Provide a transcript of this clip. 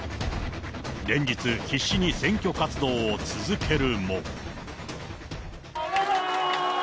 連日、必死に選挙活動を続けるも。